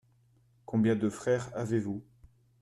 Combien de frères avez-vous ?